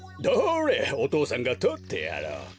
どれお父さんがとってやろう。